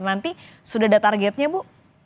nanti sudah ada targetnya bu